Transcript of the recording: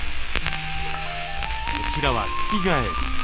こちらはヒキガエル。